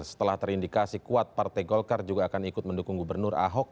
setelah terindikasi kuat partai golkar juga akan ikut mendukung gubernur ahok